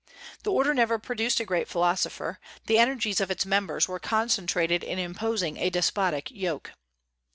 The order never produced a great philosopher; the energies of its members were concentrated in imposing a despotic yoke.